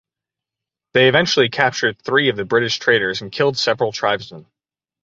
They eventually captured three of the British traders and killed several tribesmen.